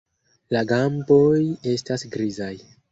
La gamboj estas grizaj.